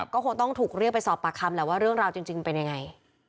ก็คงต้องถูกเรียกไปสอบปากคำแหละว่าเรื่องราวจริงเป็นยังไง